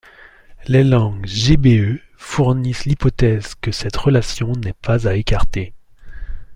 Les langues gbe fournissent l'hypothèse que cette relation n'est pas à écarter.